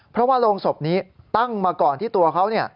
เพราะว่าโรงศพนี้ตั้งมาก่อนที่ตัวเขา